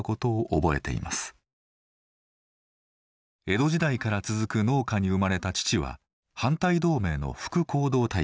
江戸時代から続く農家に生まれた父は反対同盟の副行動隊長。